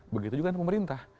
begitu juga pemerintah